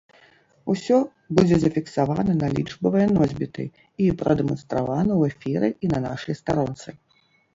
Усё будзе зафіксавана на лічбавыя носьбіты і прадэманстравана ў эфіры і на нашай старонцы.